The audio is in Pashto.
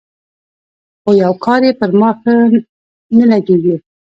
خو يو کار يې پر ما ښه نه لګېږي.